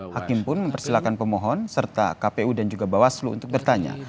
hakim pun mempersilahkan pemohon serta kpu dan juga bawaslu untuk bertanya